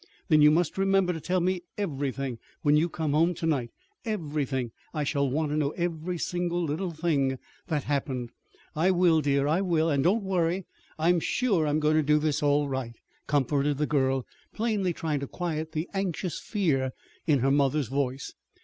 "Then you must remember to tell me everything when you come home to night everything. I shall want to know every single little thing that's happened!" "I will, dear, I will. And don't worry. I'm sure I'm going to do all right," comforted the girl, plainly trying to quiet the anxious fear in her mother's voice.